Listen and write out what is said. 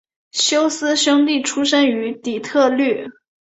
休斯兄弟出生于底特律。